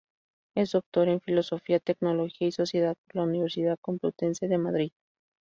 Es doctor en Filosofía, Tecnología y Sociedad por la Universidad Complutense de Madrid.